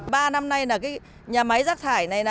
ba năm nay nhà máy rác thải này